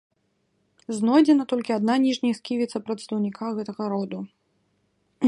Знойдзена толькі адна ніжняя сківіца прадстаўніка гэтага роду.